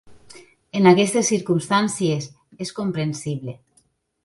En aquestes circumstàncies, és comprensible.